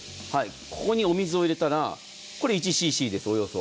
ここにお水を入れたらこれが１ｃｃです、およそ。